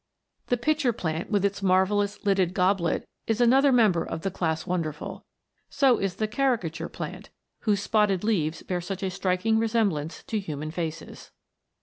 The pitcher plant, with its marvellous lidded WONDERFUL PLANTS. 241 goblet, is another member of the class wonderful ; so is the caricature plant, whose spotted leaves bear such a striking resemblance to human faces.